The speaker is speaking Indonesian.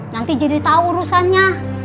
nanti jadi tau urusannya